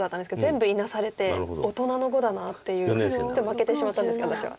負けてしまったんですけど私は。